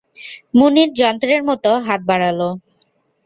মুনির যন্ত্রের মতো হাত বাড়াল।